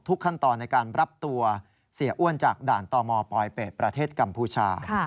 ขั้นตอนในการรับตัวเสียอ้วนจากด่านตมปลอยเป็ดประเทศกัมพูชา